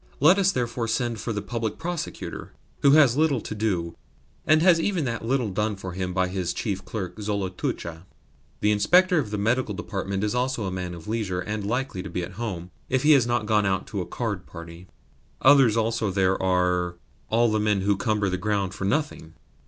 Let us, therefore, send for the Public Prosecutor, who has little to do, and has even that little done for him by his chief clerk, Zolotucha. The Inspector of the Medical Department is also a man of leisure, and likely to be at home if he has not gone out to a card party. Others also there are all men who cumber the ground for nothing."